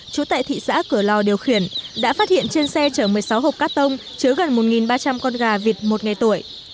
trú tại thị xã cửa lò điều khiển đã phát hiện trên xe chở một mươi sáu hộp cát tông chứa gần một ba trăm linh con gà vịt một ngày tuổi